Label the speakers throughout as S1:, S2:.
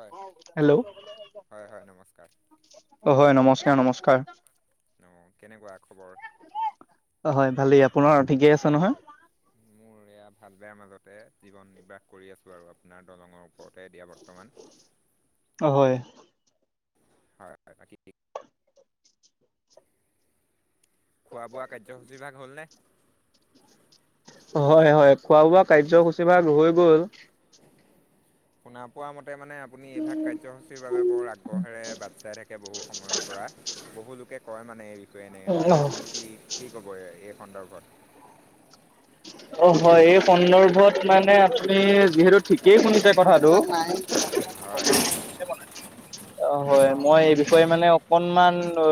S1: হয়
S2: হেল্ল'
S1: হয় হয় নমস্কাৰ
S2: অ হয় নমস্কাৰ নমস্কাৰ,
S1: অঁ কেনেকুৱা খবৰ?
S2: অ হয় ভালেই আপোনাৰ ঠিকেই আছে নহয়? [inaudible]
S1: এইয়া ভাল বেয়াৰ মাজতে জীৱন নিৰ্বাহ কৰি আছোঁ আৰু আপোনাৰ দলঙৰ ওপৰতে এতিয়া বৰ্তমান।
S2: অ হয়।
S1: হয় হয় খোৱা বোৱা কাৰ্যসূচী বিলাক হলনে?
S2: হয় হয় খোৱা বোৱা কাৰ্যসূচী ভাগ হৈ গ'ল।
S1: শুনা পোৱা মতে মানে আপুনি এইভাগ কাৰ্যসূচীৰ বাবে বৰ আগ্ৰহেৰে বাট চাই থাকে। সেই বহু সময়ৰ পৰা বহুলোকে কয় মানে এই বিষয়ে এনেদৰে আপুনি কি কি ক'ব এই সন্দৰ্ভত
S2: অ হয় এই সন্দৰ্ভত মানে আপুনি যিহেতু ঠিকেই শুনিছে কথাটো
S1: হয়
S2: [unintelligible] অঁ হয়, মই এই বিষয়ে মানে অকনমান অ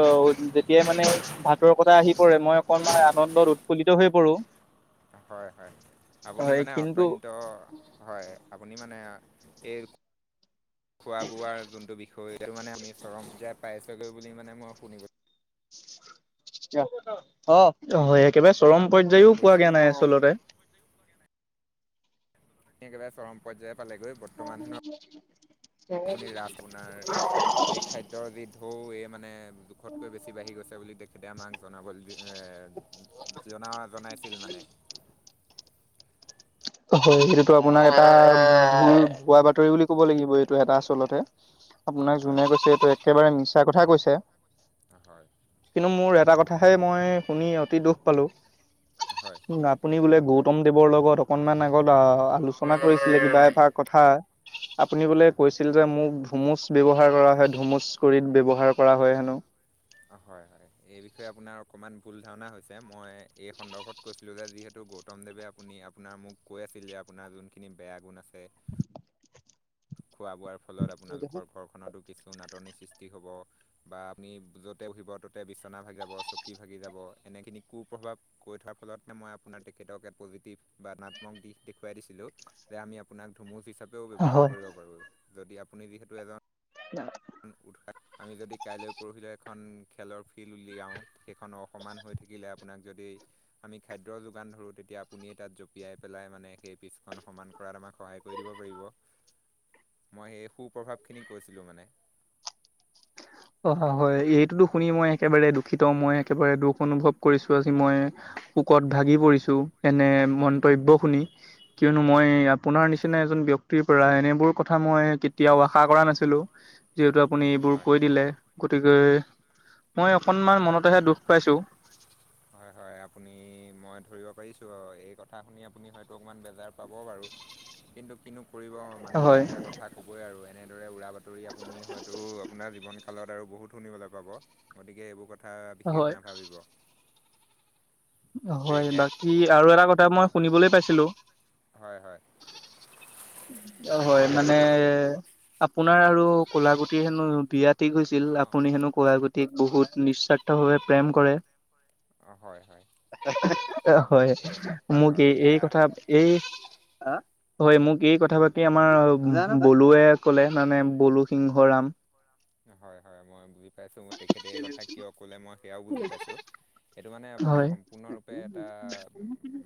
S2: যেতিয়াই মানে- ভাতৰ কথা আহি পৰে মই অকনমান আনন্দত উৎফুল্লিত হৈ পৰো।
S1: হয় হয়। আপুনি
S2: হয়
S1: মানে
S2: কিন্তু
S1: অত্যন্ত হয় আপুনি মানে এই- খোৱা বোৱাৰ যোনটো বিষ- ত এইডাল মানে আনি চৰম পূজাই পাইছগৈ বুলি মানে মই শুনি-
S2: অ হয় একেবাৰে চৰম পৰ্যায়ও পোৱা
S1: কৰিছিল
S2: গে নাই আচলতে।
S1: একেবাৰে চৰম পৰ্যায় পালেগৈ। বৰ্তমান হেনো আপুনি ৰাজ আপোনাৰ
S2: [unintelligible]
S1: এই খাদ্যৰ যি ঢৌ এই মানে- জোখতকৈ বেছি বাঢ়ি গৈছে বুলি তেখেতে আমাক জনাবলে দিয়ে। জনা জনাইছিল মানে।
S2: অ হয় সেইটোতো আপোনাক এটা ভোৱা বাতৰি বুলি- কব লাগিব এইটো এটা আচলতে আপোনাক
S1: হয়
S2: যোনে কৈছে
S1: হয়
S2: এইটো একেবাৰে মিছা কথা কৈছে।
S1: অ হয়।
S2: কিন্তু মোৰ এটা কথাহে মই শুনি অতি দুখ পালোঁ।
S1: হয়।
S2: ন আপুনি বোলে গৌতম দেৱৰ অকনমান আগত আলোচ- ৰচনা কৰিছিলে কিবা এষাৰ কথা আপুনি বোলে
S1: হয়
S2: কৈছ-
S1: হয়
S2: আছিল যে মোক ধুমুচ ব্যৱহাৰ কৰা হয় ধুমুচ কৰিত ব্যৱহাৰ কৰা হয় হেনো।
S1: অঁ হয় হয় এই বিষয়ে আপোনাৰ অকণমান ভুল ধাৰণা হৈছে মই এই সন্দৰ্ভত কৈছিলোঁ যে যিহেতু গট- গৌতম দেৱে আপুনি আপোনাৰ মোক কৈ আছিল যে আপোনাৰ যোনখিনি বেয়া গুণ আছে। খোৱা বোৱাৰ ফলত আপোনালোকৰ ঘৰখনতো কিছু নাটনিৰ সৃষ্টি হ'ব। বা আমি য'তে বহিব ত'তে বিচনা ভাগি যাব চকী ভাগি যাব এনেখিনি কু-প্ৰভাৱ- কৈ থোৱাৰ ফলতহে মই আপোনাক তেখেতক এক পজিটিভ বা নাত্মক দিশ দেখুৱাই দিছিলোঁ। যে আমি আপোনাক ধুমুচ হিচাপেও ব্যৱহাৰ
S2: হয়।
S1: কৰিব পাৰো, যদি আপুনি যিহেতু এজন-
S2: না-
S1: উন উদঘাট- আমি যদি কাইলৈ পৰহিলৈ এখন খেলৰ ফিল্ড উলিয়াওঁ সেইখন অসমান হৈ থাকিলে আপোনাক যদি- আমি খাদ্যৰ যোগান ধৰো তেতিয়া তাত জঁপিয়াই পেলাই মানে সেই পিছখন সমান- কৰাত আমাক সহায় কৰি দিব পাৰিব। মই সেই সু প্ৰভাৱখিনি কৈছিলোঁ মানে।
S2: অহ হয়, এইটোতো শুনি মই একেবাৰে দুখিত মই একেবাৰে দুখ অনুভৱ কৰিছো আজি মই- শোকত ভাগি পৰিছো এনে মন্তব্য শুনি। কিয়নো মই আপোনাৰ নিচিনা এজন ব্যক্তিৰ পৰা এনেবোৰ কথা মই কেতিয়াও আশা কৰা নাছিলো। যিহেতু আপুনি এইবোৰ
S1: হয়
S2: কৈ দিলে গতিকে মই অকণমান মনতেহে দুখ পাইছোঁ।
S1: হয় হয় আপুনি মই ধৰিব পাৰিছোঁ আৰু এই কথা শুনি আপুনি হয়তো অকমান বেজাৰ পাব বাৰু। কিন্তু কিনো- কৰিব মানুহে
S2: হয়
S1: এতিয়া কথা ক'বই আৰু এনেদৰে উৰা বাতৰি আপুনি হয়তো আপোনাৰ জীৱন- কালত আৰু বহুত শুনিবলে পাব। গতিকে এইবোৰ কথা বিষেশ
S2: হয়
S1: নাভাবিব।
S2: হয়,
S1: সেয়া
S2: বাকী আৰু এটা কথা মই শুনিবলৈ পাইছিলো, -
S1: হয় হয়।
S2: অ হয়, মানে আপোনাৰ আৰু কোলা গুটি হেনো বিয়াত- ঠিক হৈছিল। আপুনি
S1: অ
S2: হেনো কলাগুটিক বহুত নিস্বাৰ্থ ভাৱে প্ৰেম কৰে।
S1: হয় হয়
S2: হয়
S1: এয়া
S2: মোক
S1: হয়
S2: এই এই
S1: এয়া
S2: কথা এই আ হয় মোক এই কথা পাতি আমাৰ বলুৱে কলে মানে বলু সিংহ ৰাম।
S1: অ হয় হয় মই বুজি পাইছোঁ মোক তেখেতে এই কথা কিয় ক'লে মই সেয়াও বুজি পাইছোঁ। সেইটো মানে আপোনাৰ
S2: হয়।
S1: সম্পূৰ্ণৰূপে এটা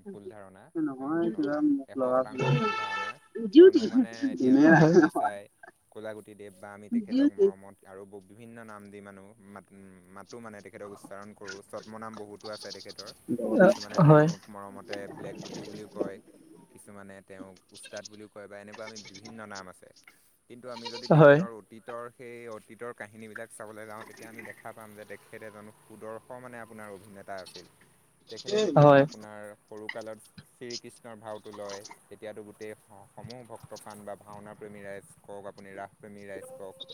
S1: ভুল ধাৰণা
S2: নহয়
S1: সম্পূৰ্ণ।
S2: কিবা মোক
S1: এশ
S2: লগা
S1: শতাংশ ভুল ধাৰণা কিয়নো মানে এতিয়া
S2: যোনে
S1: যদি আপুনি চায় ক'লাগুটি দেৱ বা আমি তেখেতক মৰমত আৰু ব বিভিন্ন নাম দি মানুহ মাত মাত তো মানে তেখেতক উচ্চাৰণ কৰোঁ চদ্মনাম বহুতো আছে তেখেতৰ, কিছুমানে
S2: ৰাখিব হয়
S1: তেওঁক মৰমত তে ব্লেক গুটি বুলি কয়, কিছুমানে তেওঁক উস্তাদ বুলি কয় বা এনে [unintelligible] বিভিন্ন নাম আছে কিন্তু আমি যদি
S2: হয়
S1: তেখেতৰ অতীতৰ সেই অতীতৰ কাহিনীবিলাক চাবলৈ যাওঁ তেতিয়া আমি দেখা পাম যে তেখেত এজন সুদৰ্শ মানে আপোনাৰ অভিনেতা আছিল। তেখেতে যেতিয়া
S2: হয়
S1: আপোনাৰ সৰুকালত শ্ৰীকৃষ্ণৰ ভাওটো লয় তেতিয়াতো গোটেই স সমূহ ভক্তপ্ৰাণ বা ভাওনা প্ৰেমী ৰাইজ কওক, আপুনি ৰাসপ্ৰেমী ৰাইজ কওক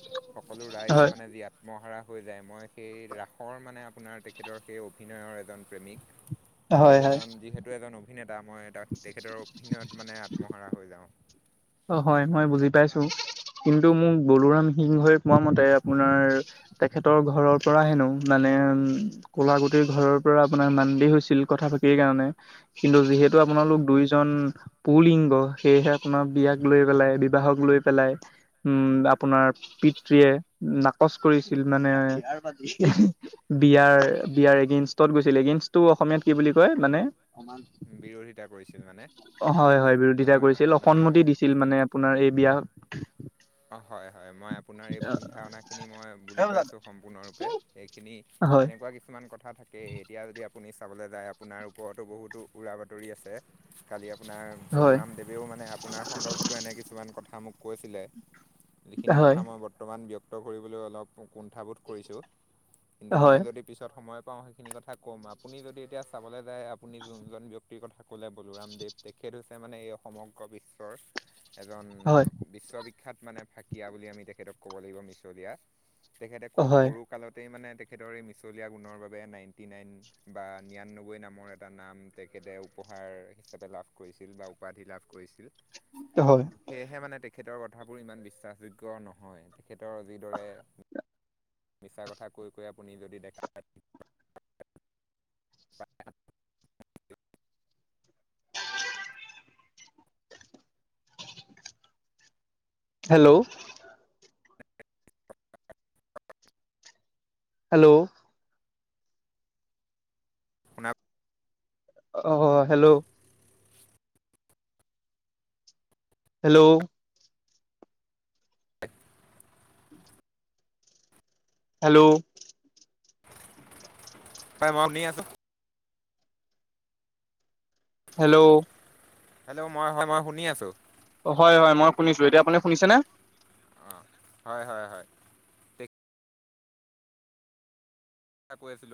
S1: সকলো ৰাইজ
S2: হয়
S1: মানে যি আত্মহাৰা হৈ যায় মই সেই ৰাসৰ মানে আপোনাৰ তেখেতৰ সেই অভিনয়ৰ এজন প্ৰেমিক
S2: হয় হয়
S1: তেখেত
S2: হয়
S1: এজন যিহেতু এজন অভিনেতা মই তাক তেখেতৰ অভিনয়ত মানে আত্মহাৰা হৈ যাওঁ।
S2: অ হয় মই বুজি পাইছো কিন্তু মোক বলোৰাম সিংহই কোৱা মতে আপোনাৰ তেখেতৰ ঘৰৰ পৰা হেনো মানে উম। কলা গুটিৰ ঘৰৰ পৰা আপোনাৰ মান্দি হৈছিল কথা পাতিৰ কাৰণে। কিন্তু
S1: উম,
S2: যিহেতু
S1: হয়।
S2: আপোনালোক দুইজন পুলিংগ সেয়েহে আপোনাৰ বিয়াক
S1: হয়।
S2: লৈ পেলাই বিবাহক লৈ পেলাই উম আপোনাৰ পিতৃয়ে নাকচ কৰিছিল মানে [unintelligible] বিয়াৰ বিয়াৰ এগেইনষ্টত গৈছিল এগেইনষ্টটো অসমীয়াত কি বুলি কয় মানে
S1: বিৰোধিতা কৰিছিল মানে
S2: অ হয় হয় বিৰোধিতা
S1: নহয়
S2: কৰিছিল,
S1: নহয় নহয়
S2: অসন্মতি দিছ ছিল মানে আপোনাৰ এই বিয়া
S1: অ হয় হয় মই আ পোনাৰ এই ভুল ধাৰণাখিনি মই বুজি
S2: হয়
S1: পাইছোঁ সম্পূৰ্ণৰূপে এইখিনি এনেকুৱা কিছুমান কথা থাক কে এতিয়া যদি আপুনি চাবলৈ যায় আপোনাৰ ওপৰতো বহুতো উৰা বাতৰি আছে। কালি আপোনাৰ
S2: হয়
S1: প্ৰধুৰামদেৱেও মানে আপোনাৰ সন্দৰ্ভতো এনে কিছুমান কথা মোক কৈছিলে। যিখিনি
S2: হয়
S1: কথা মই বৰ্তমান ব্যক্ত কৰিবলৈ অলপ কুণ্ঠাবোধ কৰিছোঁ কিন্তু মই
S2: হয়,
S1: যদি পিছত সময় পাওঁ সেইখিনি কথা ক'ম আপুনি যদি এতিয়া চাবলৈ যায় আপুনি যোনজন ব্যক তিৰ কথা ক'লে বলোৰামদেৱ তেখেত হৈছে মানে এই সমগ্ৰ বিশ্বৰ এজন
S2: হয়,
S1: বিশ্ববিখ্যাত মানে ফাঁকীয়া বুলি আমি তেখেতক ক'ব লাগিব মিছলীয়া, তেখেতে খুব
S2: হয়,
S1: সৰু কালতেই মানে তেখেতৰ এই মিছলীয়া গুণৰ বাবে নাইণ্টি নাইন বা নিৰান্নব্বৈ নামৰ এটা নাম তেখেতে উপহাৰ হিচাপে লাভ কৰিছিল বা উপাধি লাভ কৰিছিল।
S2: ত হয়।
S1: সেয়েহে মানে তেখেতৰ কথাবোৰ ইমান বিশ্বাসযোগ্য নহয় তেখেতৰ যিদৰে মিছা কথা কৈ কৈ আপুনি যদি দেখা
S2: হেল্ল'? হেল্ল'?
S1: শুনা
S2: অ hello? Hello?
S1: [unintelligible]
S2: Hello?
S1: [unintelligible]
S2: Hello.
S1: Hello মই হয় মই শুনি আছো।
S2: হয় হয় মই শুনিছো, এতিয়া আপুনি শুনিছেনে?
S1: অঁ হয় হয় হয়। কৈ আছিলো